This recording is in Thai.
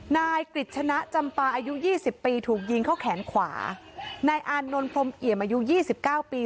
นายกฤษณะจำปาอายุยี่สิบปีถูกยิงเข้าแขนขวานายอานนท์พรมเอี่ยมอายุยี่สิบเก้าปี